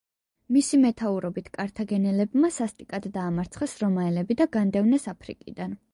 მისი მეთაურობით კართაგენელებმა სასტიკად დაამარცხეს რომაელები და განდევნეს აფრიკიდან.